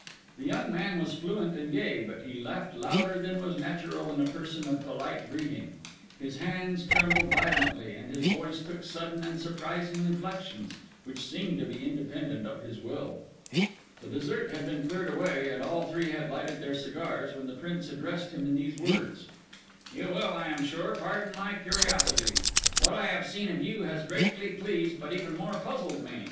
The young man was fluent and gay, but he laughed louder than was natural in a person of polite breeding; his hands trembled violently, and his voice took sudden and surprising inflections, which seemed to be independent of his will. The dessert had been cleared away, and all three had lighted their cigars, when the Prince addressed him in these words:— "You will, I am sure, pardon my curiosity. What I have seen of you has greatly pleased but even more puzzled me.